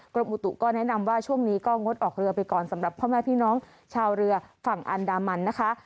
กรมอุตุก็แนะนำว่าช่วงนี้ก็งดออกเรือไปก่อนสำหรับพ่อแม่พี่น้องชาวเรือฝั่งอันดามันนะคะ